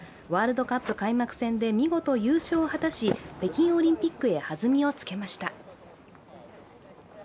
ワールドカップ開幕戦で見事優勝を果たし、北京オリンピックへはずみをつけました。